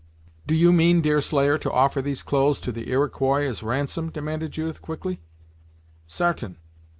"Do you mean, Deerslayer, to offer these clothes to the Iroquois as ransom?" demanded Judith, quickly. "Sartain.